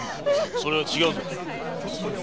それは違うぞ。